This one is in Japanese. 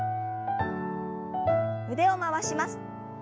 腕を回します。